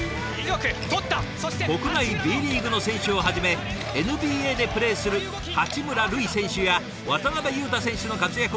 国内Ｂリーグの選手をはじめＮＢＡでプレーする八村塁選手や渡邊雄太選手の活躍も印象的でしたね。